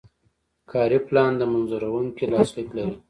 کاري پلان د منظوروونکي لاسلیک لري.